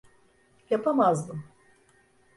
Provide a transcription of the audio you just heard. Yapamazdım.